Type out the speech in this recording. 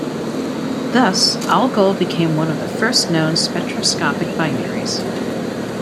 Thus Algol became one of the first known spectroscopic binaries.